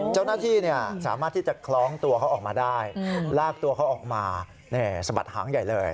เจ้าหน้าที่สามารถที่จะคล้องตัวเขาออกมาได้ลากตัวเขาออกมาสะบัดหางใหญ่เลย